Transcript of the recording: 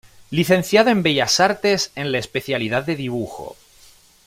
Licenciado en Bellas Artes en la especialidad de dibujo.